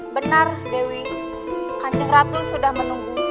benar dewi kanjeng ratu sudah menunggu